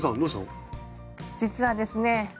実はですね